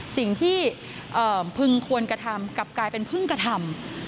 สิ่งที่พึงควรกระทำกลับกลายเป็นพึ่งกระทำ